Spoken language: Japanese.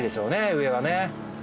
上はね